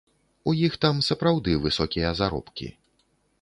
У іх там сапраўды высокія заробкі.